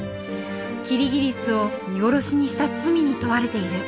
キリギリスを見殺しにした罪に問われている。